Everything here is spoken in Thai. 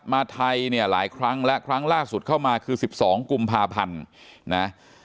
มาไทยเนี่ยหลายครั้งและครั้งล่าสุดเข้ามาคือ๑๒กุมภาพันธ์นะ